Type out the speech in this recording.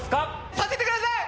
させてください！